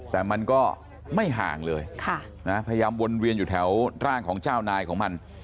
แต่มันก็ไม่ห่างเลยพยายามวนเวียนอยู่แถวร่างของเจ้านายของมัน